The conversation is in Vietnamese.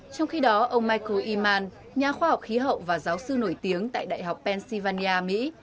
trong khi đó ông miku iman nhà khoa học khí hậu và giáo sư nổi tiếng tại đại học pennsylvania mỹ